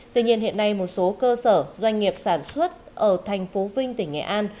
tuy nhiên hiện nay một số cơ sở doanh nghiệp sản xuất ở tp vinh tỉnh nghệ an